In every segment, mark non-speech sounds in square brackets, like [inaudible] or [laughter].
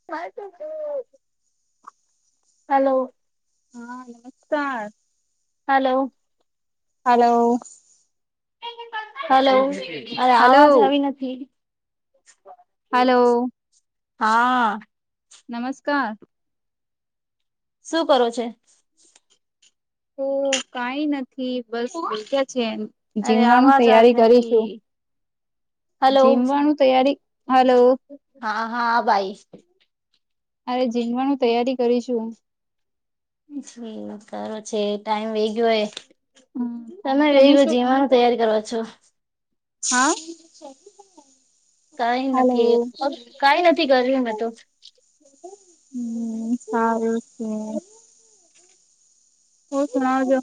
હ [unintelligible] [inaudible] હલો હા નમસ્કાર! હલો હલો હલો [inaudible] અરે હલો આવાજ આવી નથી. હલો હા નમસ્કાર શું કરો છે તો કઈ નથી બસ્યા છે એમ અરે જીમવાનું આવાજ આવી તૈયારી નથી કરીશું હલો જીમવાનું તૈયારી હલો હા હા ભાઈ અરે જીણવાનું તૈયારી કરીશું જી સારો છે ટાઈમ વે ગયોય હમ તમે વેગ શું જીવાનું તૈયારી કરવા છો હા કઈ હલો નથી કઈ નથી કર્યું મે તો હમ સારું છે હ શણ છો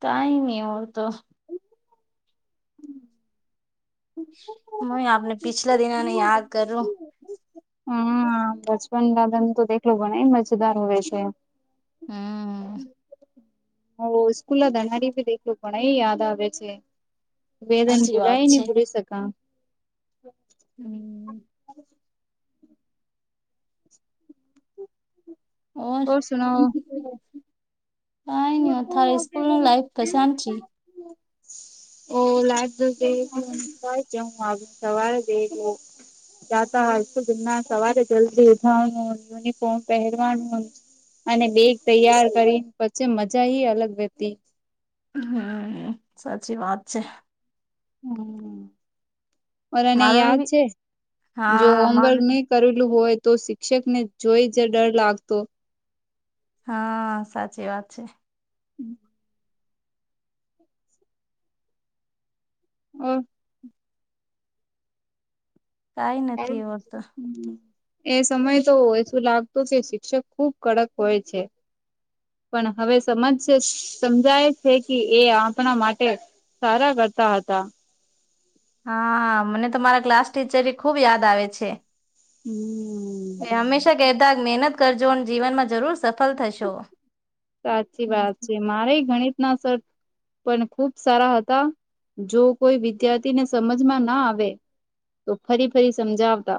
કઈ નહી ઓ તો હ આપને પિછલા દિનાને યાદ કરું હા બચપન દદને તો દેખલું ભને મજેદાર હોય છે હમ હ સ્કૂલ ના ધનાડી ભી દેખલું પણ એ યાદ આવે છે વેદન સાચી વાત ભૂલાય નને છે ભૂલી શક હમ ઓર કોર્સ ન કઈ ન અ તારે સ્કૂલ નું લાઈફ તો શાંત છે ઓ લાગ દ હ સવારે બે જતા હય તો જેમના સવારે જલ્દી ઉઠાવવાનું યુનિફોર્મ પહેરવાનું અને બેગ તૈયાર કરી પછી મજા અલગ વતી હમ સાચી વાત છે હમ પણ એને મારું યાદ બી છે જો હા માર હોમવર્ક કરેલું હોય તો શિક્ષકને જોઈ જ ડર લાગતો હા સાચી વાત છે હમ ઓ કઈ નથી એવું તો [unintelligible] એ સમય તો શું લાગતું કે શિક્ષક ખુબ કડક હોય છે. પણ હવે સમજ સમજાય છે કે એ આપણા માટે સારા કરતા હતા. હા મને તો મારા ક્લાસ ટીચરી ખુબ યાદ આવે છે. [inaudible] એ હંમેશા કહેતા મહેનત કરજો જીવનમાં જરૂર સફળ થશો. સાચી હમ. વાત છે મારે ગણિતના સર પણ ખુબ સારા હતા જો કોઈ વિદ્યાર્થીને સમજમાં ના આવે તો ફરી ફરી સમજાવતા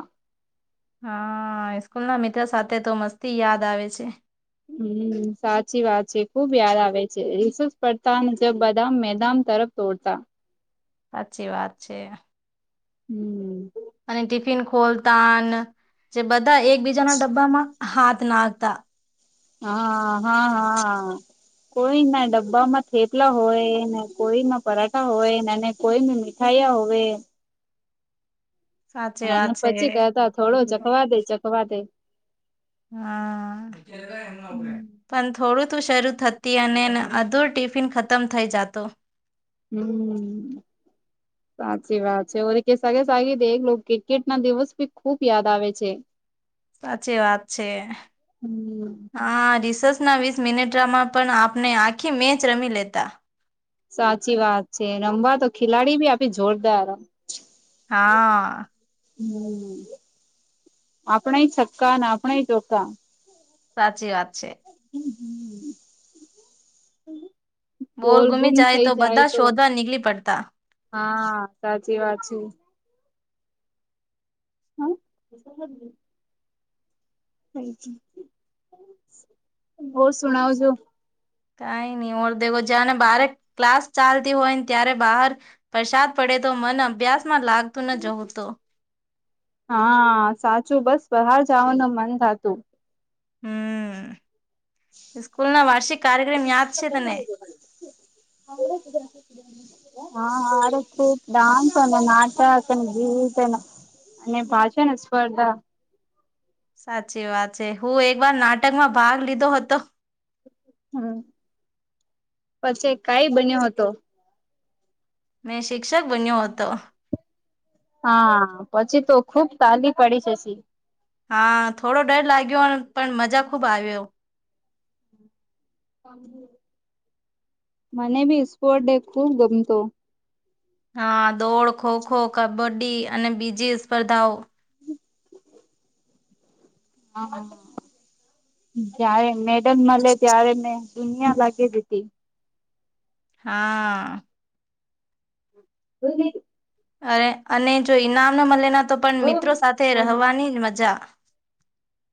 હા સ્કૂલ ના મિત્ર સાથે તો મસ્તી યાદ આવે છે. હમ સાચી વાત છે ખુબ યાદ આવે છે રિસેસ પડતા મુજબ બધા મેદાન તરફ તોડતા સાચી વાત છે. હમ્મ. અને ટિફિન ખોલતા જે બધા એકબીજાના ડબ્બામાં હાથ નાખતા. હા હા હા કોઈ ના ડબ્બામાં થેપલા હોય ને કોઈમાં પરાઠા હોયને કોઈ મી ખાયા હવે સાચી અને એને વાત પછી છે. કતા થોડો ચખવા દે ચખવા દે હા. હમ્મ પણ થોડું તું શરૂ થતી અને અધૂર ટિફિન ખતમ થઇ જતું. હમ્મ હમ્મ. સાચી વાત છે ઓ કેે દે ક્રિકેટ ના દિવસ ભી ખુબ યાદ આવે છે. [inaudible] સાચી વાત છે. હમ્મ. હા રિસેસ ના વીસ મિનિટમાં પણ આપને આખી મેચ રમી લેતા. સાચી વાત છે રમવા તો ખેલાડી ભી આપી જોરદાર. હા. હમ આપણેય છક્કા આપણે ચોખા. સાચી વાત છે. [inaudible] બોલ ગુમી જાય તો બધા શોધવા નીકળી પડતા. હા સાચી વાત છે. હમ્મ [inaudible] બો સુણાવ જો કઈ નહી ઓર્ દેખો જને બારે ક્લાસ ચાલતી હોય ને ત્યારે બહાર વરસાદ પડે તો મન અભ્યાસ માં લાગતું ન જવું તો. હા સાચું બસ બહાર જવાનું મન થતું. હમ સ્કૂલ ના વાર્ષિક કાર્યક્રમ યાદ છે તને. [inaudible] હા હા ડાન્સ અને નાટક અને ગીત એનું અને [unintelligible] છે ને સ્પર્ધા સાચી વાત છે હું એક વાર નાટકમાં ભાગ લીધો હતો. હમ્મ પછી કઈ બન્યો હતો. મેં શિક્ષક બન્યો હતો. હા પછી તો ખુબ તાલી પડી જસી. હા થોડો ડર લાગ્યો પણ મજા ખુબ આવ્યો. મને ભી સ્પોટ ડે ખુબ ગમતું. હા દોડ ખોખો કબડ્ડી અને બીજી સ્પર્ધાઓ હમ [unintelligible] હા હા જયારે મેડમ મળે ત્યારે મેં દુનિયા લાગી દીધી હા બી [unintelligible] અરે અને જો ઈનામ ના મળે ના તો પણ મિત્રો સાથે રહેવાની જ મજા.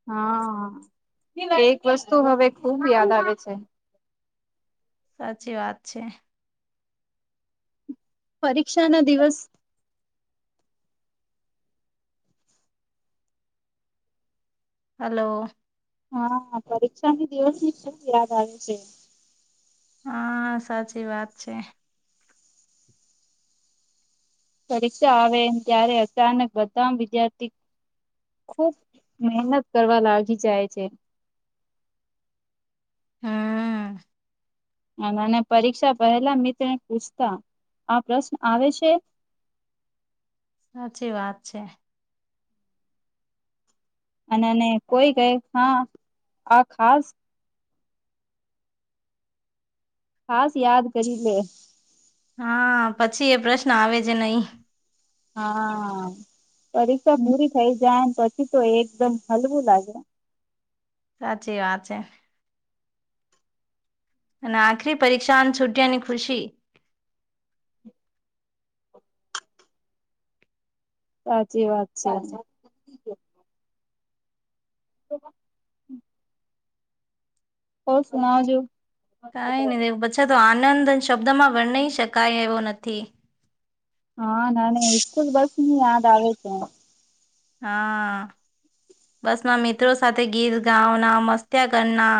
હા એક વસ્તુ હવે ખુબ યાદ આવે છે. સાચી વાત છે. પરીક્ષા ના દિવસ હલો હા પરીક્ષાની દિવસ ની ખુબ યાદ આવે છે. હા સાચી વાત છે. પરીક્ષા આવે ત્યારે અચાનક બધા વિદ્યાર્થી ખુબ મહેનત કરવા લાગી જાય છે. હા અને પરીક્ષા પહેલા મિત્રને પૂછતા આ પ્રશ્ન આવે છે. સાચી વાત છે. અને ને કોઈ કઈ હા આ ખાસ ખાસ યાદ કરી લે હા પછી એ પ્રશ્ન આવે જ નહી. હા પરીક્ષા પૂરી થઇ જાયને પછી તો એકદમ હલવું લાગે. સાચી વાત છે અને આખરી પરીક્ષા છૂટિયાની ખુશી. સાચી વાત છે. તો [unintelligible] ઑર સુના જો કઈ નહી પછા તો આનંદ શબ્દમાં વર્ણી શકાય એવો નથી. હા મને સ્કૂલ બસની યાદ આવે છે. હા બસમાં મિત્રો સાથે ગીત ગાવના મસ્ત્યા કરના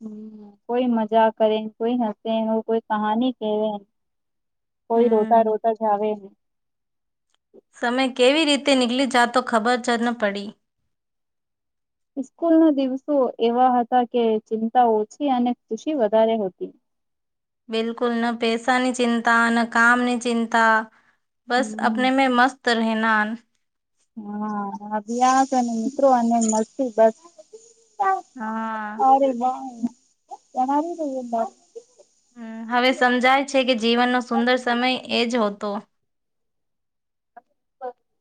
હ કોઈ મજાક કરે કોઈ હસે કોઈ કહાની કેવે. કોઈ રોતા હમ રોતા જાવે સમય કેવી રીતે નીકલી જાતો ખબર જ ન પડી સ્કૂલ ના દિવસો એવા હતા કે ચિંતા ઓછી અને ખુશી વધારે હતી. બિલકુલ ના પેસા ની ચિંતા ના કામની ચિંતા બસ. આપને મે મસ્ત રહેના હા હભ્યાસ અને મિત્રો અને મસ્તી બસ હા સરે ના જણ આવી [unintelligible] હ હવે સમજાય છે કે જીવનનો સુંદર સમય એજ હતો.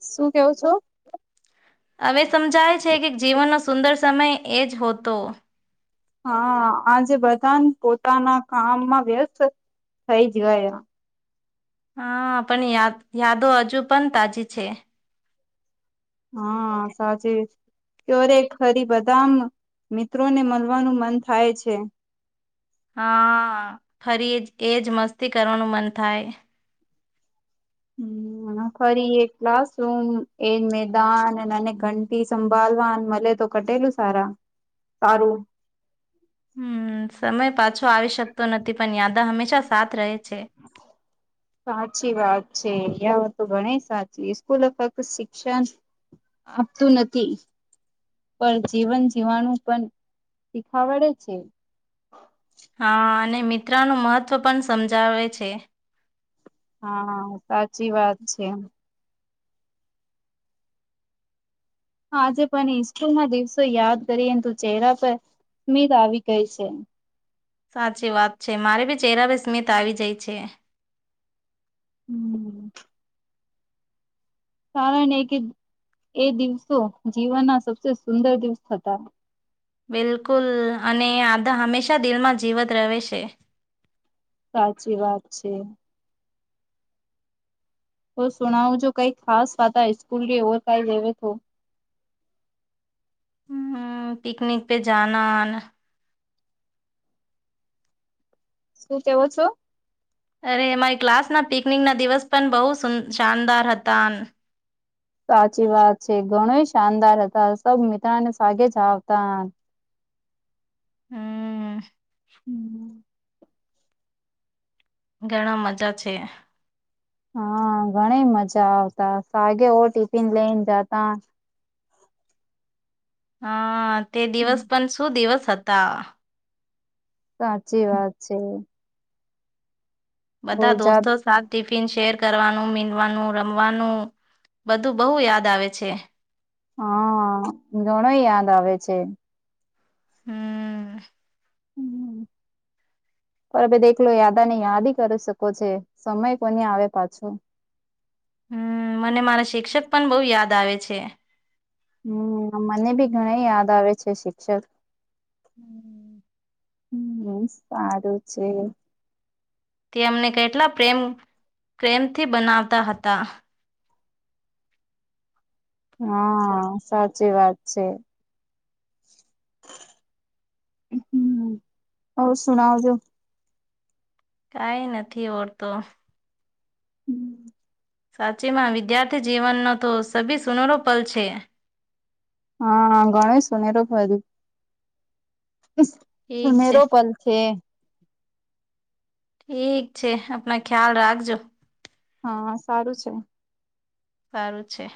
શું કેવો છો. હવે સમજાય છે કે જીવનનો સુંદર સમય એ જ હોતો હા આજે બધા પોતાના કામમાં વ્યસ્ત થઈ ગયા. હા પણ યાદ યાદો હજુ પણ તાજી છે. હા સાચી કરે ખરી બદામ મિત્રોને મલવાનું મન થાય છે. હા ફરી એ એજ મસ્તી કરવાનું મન થાય. હમ [unintelligible] એ ફરી એ ક્લાસરૂમ એ મેદાન અને ઘંટી સંભાળવા મલે તો કટેલું સારા સારું હમ સમય પાછો આવી શકતો નથી પણ યાદા હંમેશા સાથ રહે છે. [inaudible] સાચી વાત છે. યહું તો ઘણી સાચી. સ્કૂલો ફક્ત શિક્ષણ આપતું નથી. પર જીવન જીવવાનું પણ શીખાવડે છે. હા અને મિત્ર નું મહત્ત્વ પણ સમજાવે છે. હા, હા સાચી વાત છે. હા આજે પણ ઈસ્કૂલ ના દિવસો યાદ કરી તો ચહેરા પર સ્મીત આવી ગઈ છે. સાચી વાત છે. મારે ભી ચહેરા પે સ્મિત આવી જાય છે. હમ્મ. કારણ એ કે એ દિવસો જીવનના સબસે સુંદર દિવસ હતા. બિલકુલ, અને આ તો હંમેશા દિલમાં જીવત રહે છે. સાચી વાત છે. તો સુણાવજો કાઈ ખાસ વાતા ઈસ્કૂલ ઓર કાઈ લેવે તો. હમ્મ, પિકનિક પે જાના. શું કેવો છો? અરે એમાંય ક્લાસ ના પિકનિક ના દિવસ પણ બહું સું શાનદાર હતા. સાચી વાત છે. ઘણુંય શાનદાર હતા, સબ મિત્રાને સાગે જ આવતા. હમ્મ. હમ્મ. ઘણા મજા છે. હા ઘણી મજા આવતા, સાગે ઓ ટિફિન લઈન જાતા. હા, તે દિવસ હમ પન શું દિવસ હતા. સાચી વાત છે. બધા ઓજા દોસ્તો સાથ ટિફિન શેર કરવાનું, મીનવાનું, રમવાનું બધું બહુ યાદ આવે છે. હા. ઘણો યાદ આવે છે. હમ્મ. હમ્મ. પર અભી દેખલો યાદા ને યાદી કરી શકો છે, સમય કોઈને આવે પાછો. હમ્મ, મને મારા શિક્ષક પણ બહુ યાદ આવે છે. હમ્મ. મને બી ઘણે યાદ આવે છે શિક્ષક. હમ્મ. હમ્મ, સારું છે. તે એમના કેટલા પ્રેમ-પ્રેમથી બનાવતા હતા. હા, સાચી વાત છે. હમ્મ. ઔર સુનાવજો. કાઈ નથી ઔરતો. હમ્મ. સાચીમાં, વિદ્યાર્થી જીવનનો તો સભી સુનહરો પલ છે. હા ઘણે સુનહેરો પદ ઠીક છે સુનહેરો પલ છે. ઠીક છે. આપના ખ્યાલ રાખજો. હા, સારું છે. સારું છે.